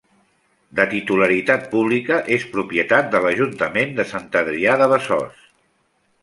De titularitat pública, és propietat de l'Ajuntament de Sant Adrià de Besòs.